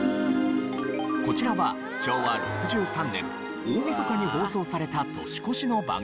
こちらは昭和６３年大晦日に放送された年越しの番組。